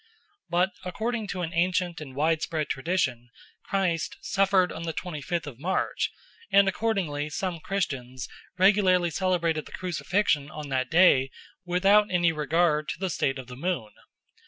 But according to an ancient and widespread tradition Christ suffered on the twenty fifth of March, and accordingly some Christians regularly celebrated the Crucifixion on that day without any regard to the state of the moon.